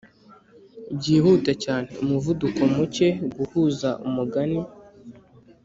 byihuta cyane, umuvuduko muke guhuza umugani